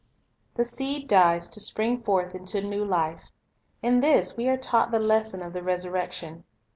The seed dies, to spring forth into new life. In .1 symbol this we are taught the lesson of the resurrection.